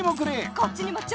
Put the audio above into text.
こっちにも頂戴！